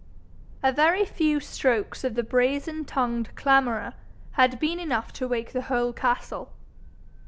A very few strokes of the brazen tongued clamourer had been enough to wake the whole castle.